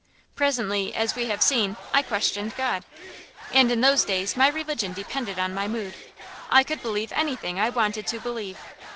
Presently, as we have seen, I questioned God. And in those days my religion depended on my mood. I could believe anything I wanted to believe.